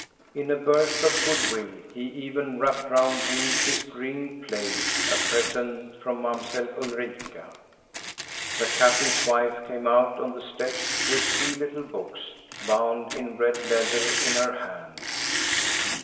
In a burst of good will he even wrapt round him his green plaid, a present from Mamselle Ulrika. The captain's wife came out on the steps with three little books, bound in red leather, in her hand.